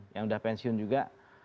yang udah pensiun juga